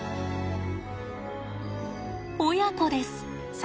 親子です。